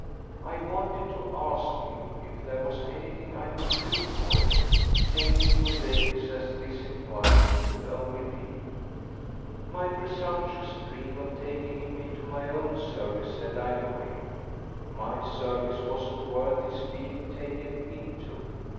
I wanted to ask him if there was anything I could do for him, tainted with vagueness as this inquiry could only be. My presumptuous dream of taking him into my own service had died away: my service wasn't worth his being taken into.